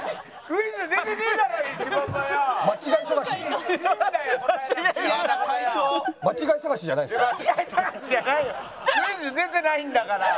クイズ出てないんだから。